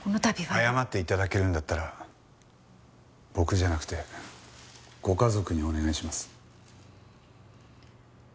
謝って頂けるんだったら僕じゃなくてご家族にお願いします。